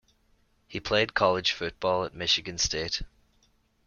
He played college football at Michigan State.